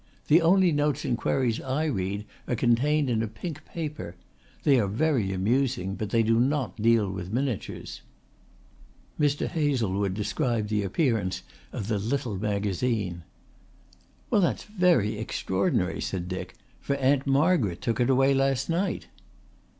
The only notes and queries I read are contained in a pink paper. They are very amusing but they do not deal with miniatures." Mr. Hazlewood described the appearance of the little magazine. "Well, that's very extraordinary," said Dick, "for Aunt Margaret took it away last night."